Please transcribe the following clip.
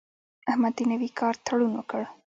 احمد د نوي کار تړون وکړ.